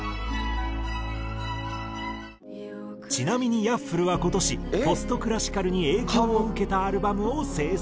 ちなみにＹａｆｆｌｅは今年ポスト・クラシカルに影響を受けたアルバムを制作。